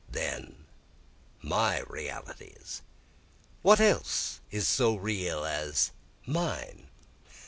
Then my realities; What else is so real as mine?